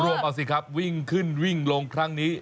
เอามาสิครับวิ่งขึ้นวิ่งลงครั้งนี้